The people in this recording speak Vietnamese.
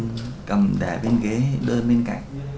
cháu cầm để bên ghế bên cạnh